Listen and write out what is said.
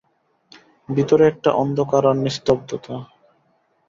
ভিতরে একটা অন্ধকার আর নিস্তব্ধতা।